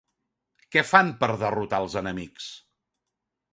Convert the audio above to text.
Què fan per derrotar els enemics?